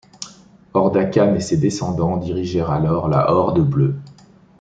Orda Khan et ses descendants dirigèrent alors la Horde bleue.